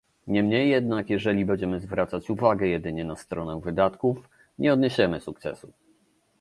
Niemniej jednak, jeżeli będziemy zwracać uwagę jedynie na stronę wydatków, nie odniesiemy sukcesu